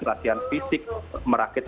latihan fisik merakit